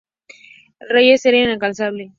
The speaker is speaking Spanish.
Reyes era incansable.